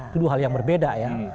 kedua hal yang berbeda ya